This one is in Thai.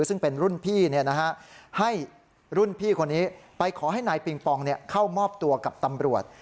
ซึ่งเป็นรุ่นพี่ให้รุ่นพี่คนนี้ไปขอให้นายปิงปองเข้ามอบตัวกับตำรวจ